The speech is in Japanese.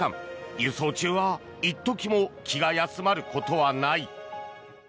輸送中は一時も気が休まることはない。